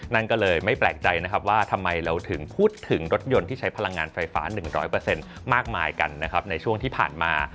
นั่นก็เลยไม่แปลกใจนะครับว่าทำไมเราถึงพูดถึงรถยนต์ที่ใช้พลังงานไฟฟ้า๑๐๐มากมายกันนะครับในช่วงที่ผ่านมา